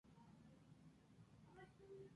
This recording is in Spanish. Apocalipsis lo condujo una vez.